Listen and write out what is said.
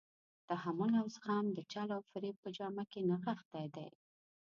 تحمل او زغم د چل او فریب په جامه کې نغښتی دی.